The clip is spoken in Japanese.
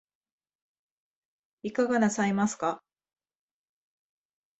いかがなさいますか